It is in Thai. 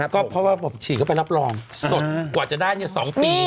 ก็เพราะว่าฉีดเข้าไปรับรองสดกว่าจะได้๒ปี